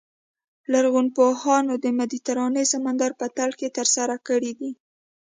لرغونپوهانو د مدیترانې سمندر په تل کې ترلاسه کړي دي.